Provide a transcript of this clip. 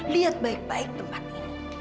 lihat baik baik tempat ini